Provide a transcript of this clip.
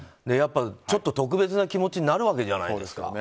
やっぱり特別な気持ちになるわけじゃないですか。